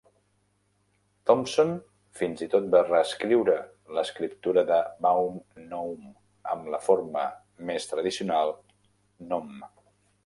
Thompson fins i tot va reescriure l'escriptura de Baum "Nome" amb la forma més tradicional "Gnome"